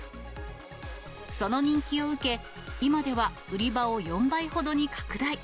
その人気を受け、今では売り場を４倍ほどに拡大。